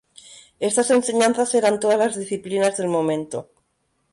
Estas enseñanzas eran todas las disciplinas del momento.